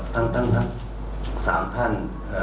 ทั้งสามท่าน